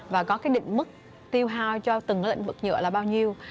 và có cái định mức tiêu hào cho từng lĩnh vực nhựa là bao nhiêu